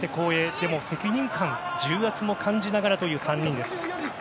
でも、責任感や重圧も感じながらという３人です。